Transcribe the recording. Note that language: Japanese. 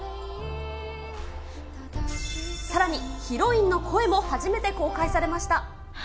さらに、ヒロインの声も初めて公開されました。